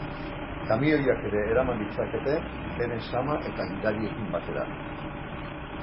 Kamioiak ere eraman ditzakete, beren zama eta gidariekin batera.